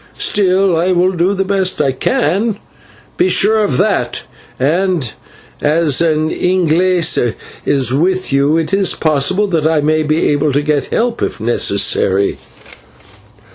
Still I will do the best I can, be sure of that, and as an /Inglese/ is with you, it is possible that I may be able to get help if necessary."